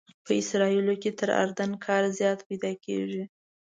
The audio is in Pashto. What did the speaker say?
په اسرائیلو کې تر اردن کار زیات پیدا کېږي.